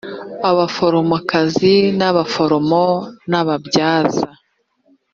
abaforomokazi abaforomo n ababyaza